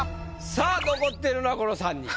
⁉さあ残っているのはこの三人。